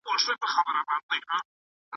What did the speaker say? بې احساسه انسان د تيږې په څېر دی.